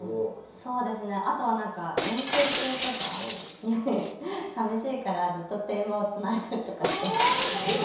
あとは、遠征中とかに寂しいからずっと電話をつないだりとかしちゃって。